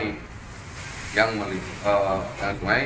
resaksi yang hendak mandi di sungai